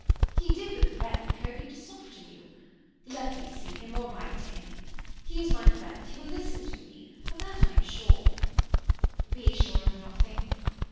He did but threaten, hoping to soften you. Let me see him, or write to him. He is my friend; he will listen to me. Of that I am sure." "Be sure of nothing.